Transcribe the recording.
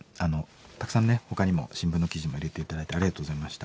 たくさんほかにも新聞の記事も入れて頂いてありがとうございました。